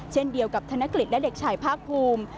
เช่นเดียวกับธนกฤษและเด็กชายภาคภูมิ